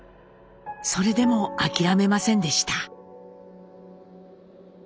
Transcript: それでも諦めませんでした。